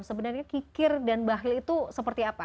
sebenarnya kikir dan bahlil itu seperti apa